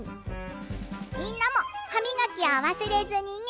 みんなもはみがきはわすれずにね。